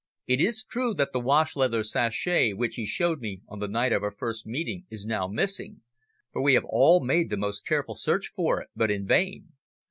"It is true that the wash leather sachet which he showed me on the night of our first meeting is now missing, for we have all made the most careful search for it, but in vain.